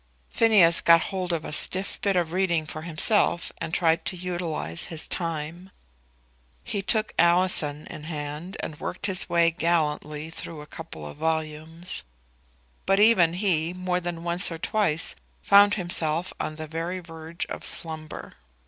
Phineas got hold of a stiff bit of reading for himself, and tried to utilise his time. He took Alison in hand, and worked his way gallantly through a couple of volumes. But even he, more than once or twice, found himself on the very verge of slumber.